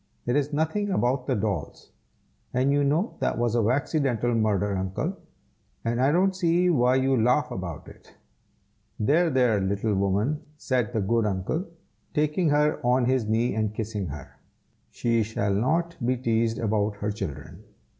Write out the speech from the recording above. "It is nothing about the dolls; and you know that was a waxidental murder, Uncle, and I don't see why you laugh about it." "There! there! little woman," said the good uncle, taking her on his knee and kissing her; "she shall not be teased about her children.